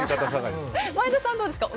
前田さん、どうですか。